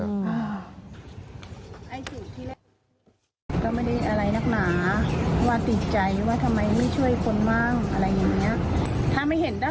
ก็ไม่ได้อะไรนักหนา